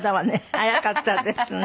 早かったですね。